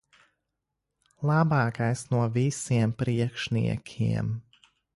Labākais no visiem priekšniekiem.